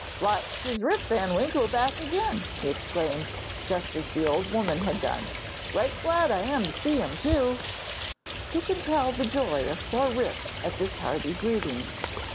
'Why! 'tis Rip van Winkle back again!' he exclaimed, just as the old woman had done. 'Right glad I am to see him, too.' Who can tell the joy of poor Rip at this hearty greeting?